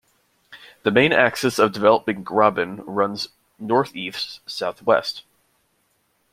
The main axis of the developing graben runs northeast-southwest.